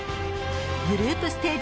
グループステージ